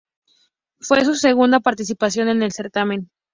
Fue su segunda participación en el certamen.